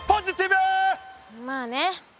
まあね。